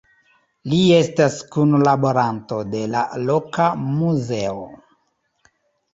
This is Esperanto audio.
Li estas kunlaboranto de la loka muzeo.